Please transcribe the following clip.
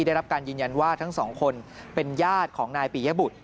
ได้รับการยืนยันว่าทั้งสองคนเป็นญาติของนายปียบุตร